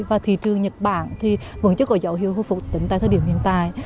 và thị trường nhật bản vẫn chưa có dấu hiệu hưu phục tính tại thời điểm hiện tại